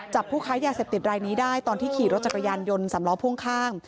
ผู้ค้ายาเสพติดรายนี้ได้ตอนที่ขี่รถจักรยานยนต์สำล้อพ่วงข้าง